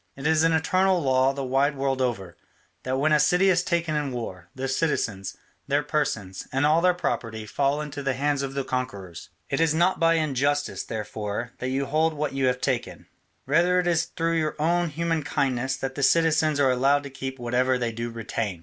It is an eternal law the wide world over, that when a city is taken in war, the citizens, their persons, and all their property fall into the hands of the conquerors. It is not by injustice, therefore, that you hold what you have taken, rather it is through your own human kindness that the citizens are allowed to keep whatever they do retain.